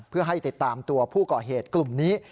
เพื่อให้ติดตามตัวผู้ก่อเหตุกลุ่มนี้